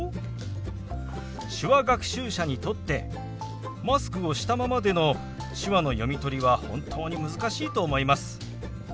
手話学習者にとってマスクをしたままでの手話の読み取りは本当に難しいと思います。